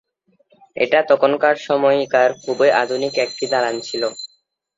এটা তখনকার সময়কার খুবই আধুনিক একটি দালান ছিল।